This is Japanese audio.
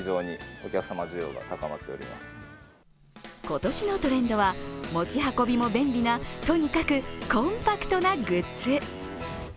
今年のトレンドは持ち運びも便利なとにかくコンパクトなグッズ。